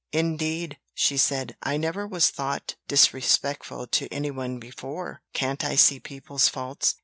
"Indeed!" she said, "I never was thought disrespectful to anyone before. Can't I see people's faults?